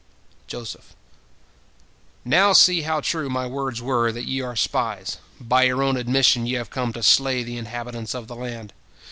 Joseph: "Now see how true my words were, that ye are spies. By your own admission ye have come to slay the inhabitants of the land.